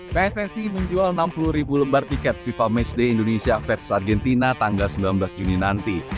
pssi menjual enam puluh ribu lembar tiket fifa matchday indonesia versus argentina tanggal sembilan belas juni nanti